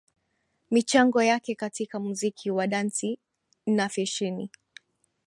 Michango yake katika muziki wa dansi na fasheni